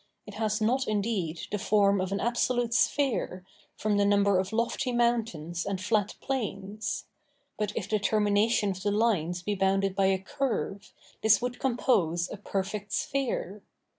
It has not indeed the form of an absolute sphere, from the number of lofty mountains and flat plains; but if the termination of the lines be bounded by a curve, this would compose a perfect sphere.